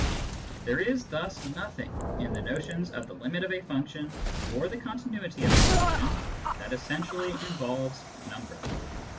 There is thus nothing, in the notions of the limit of a function or the continuity of a function, that essentially involves number.